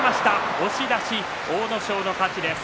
押し出し、阿武咲の勝ちです。